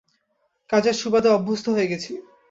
কাজের সুবাদে অভ্যস্ত হয়ে গেছি।